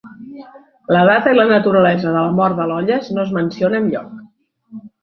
La data i la naturalesa de la mort de Iollas no es menciona enlloc.